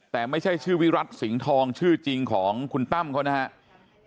แต่ไม่ใช่ชื่อวิรัติสิงห์ทองชื่อจริงของคุณตั้มเขานะครับ